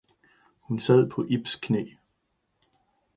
hun sad på Ibs knæ.